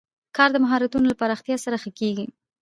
کار د مهارتونو له پراختیا سره ښه کېږي